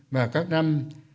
và các năm